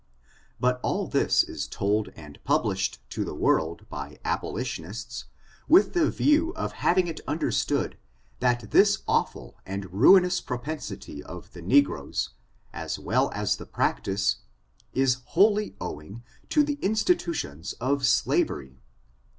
But all this is told and published to the world by abolitionists, with the view of having it understood that this awful and ruinous propensity of the negroes, as well as the practice, is wholly owing to the insti tutions of slavery.